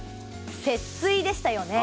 節水でしたよね。